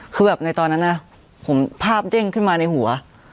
คือแบบในตอนนั้นนะผมภาพเด้งขึ้นมาในหัว